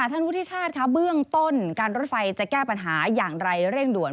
ท่านวุฒิชาติค่ะเบื้องต้นการรถไฟจะแก้ปัญหาอย่างไรเร่งด่วน